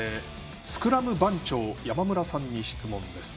スクラム番長山村さんに質問です。